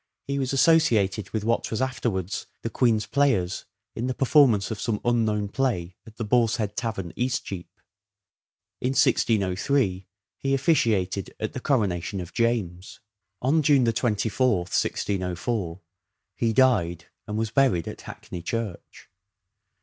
In 1602 he was associated with what was afterwards the Queen's Players in the performance of some un known play at the Boar's Head Tavern, Eastcheap. In 1603 he officiated at the coronation of James. On June 24th, 1604, he died and was buried at Hackney Church.